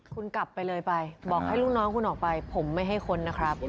คุณกลับไปเลยไปบอกให้ลูกน้องคุณออกไปผมไม่ให้ค้นนะครับ